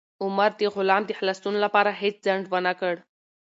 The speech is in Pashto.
عمر د غلام د خلاصون لپاره هیڅ ځنډ ونه کړ.